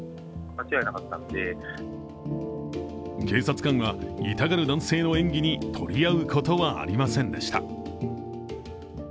警察官は、痛がる男性の演技に取り合うことはありませんでした。